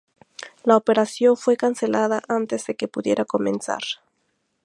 La operación fue cancelada antes de que pudiera comenzar.